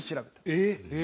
えっ！